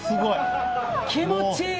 気持ちいい！